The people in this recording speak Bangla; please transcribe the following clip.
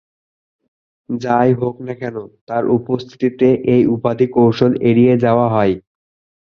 যাই হোক না কেন, তার উপস্থিতিতে এই উপাধি কৌশলে এড়িয়ে যাওয়া হয়।